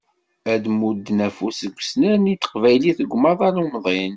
Ad d-mudden afus deg usnerni n teqbaylit deg umaḍal umdin.